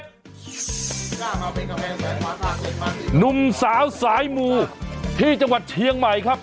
หนุ่มสาวสายหมู่ที่จังหวัดเชียงใหม่ครับ